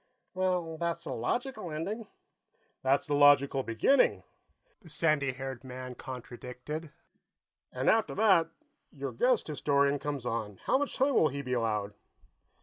"Well, that's the logical ending." "That's the logical beginning," the sandy haired man contradicted. "And after that, your guest historian comes on; how much time will he be allowed?"